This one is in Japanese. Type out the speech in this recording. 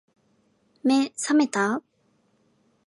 目、さめた？